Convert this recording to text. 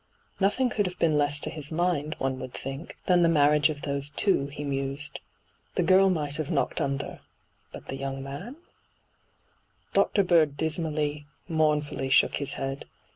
' Nothing could have been less to his mind, one would think, than the marriage of those two,' he mused. ' The girl might have knocked under — but the young man V Dr. Bird dismally, mournfully shook his head.